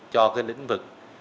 cho cái lĩnh vực